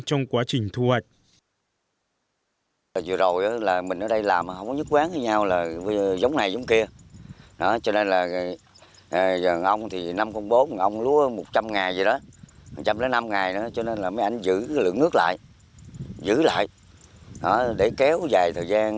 và trình thuật